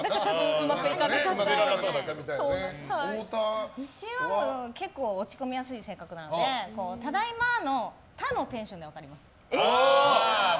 うちは結構落ち込みやすい性格なのでただいまの「た」のテンションで分かります。